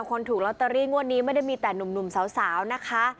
คนถูกลอตเตอรี่งวดนี้ไม่ได้มีแต่หนุ่มสาวนะคะ